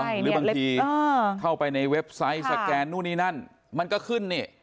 หรือบางทีเข้าไปในเว็บไซต์สแกนนู่นนี่นั่นมันก็ขึ้นนี่